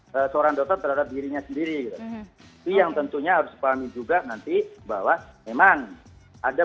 back orang rosak terhadap dirinya sendiri sedang tentunya harus kami juga nanti bahwa memang agak